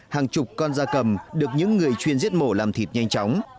hàng chục con da cầm được những người chuyên giết mổ làm thịt nhanh chóng